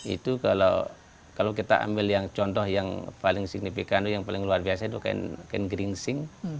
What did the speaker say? itu kalau kita ambil yang contoh yang paling signifikan itu yang paling luar biasa itu kain gringsing